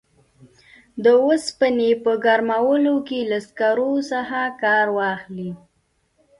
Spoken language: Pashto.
د اوسپنې په ګرمولو کې له سکرو څخه کار واخلي.